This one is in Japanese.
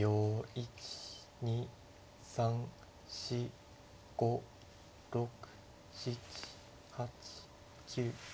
１２３４５６７８９。